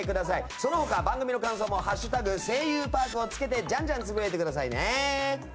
その他、番組の感想も「＃声優パーク」をつけてじゃんじゃんつぶやいてくださいね。